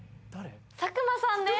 佐久間さんです